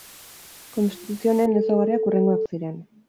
Konstituzio honen ezaugarriak hurrengoak ziren.